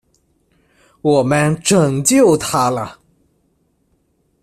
我们拯救他了！